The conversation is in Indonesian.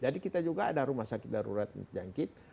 jadi kita juga ada rumah sakit darurat yang terjangkit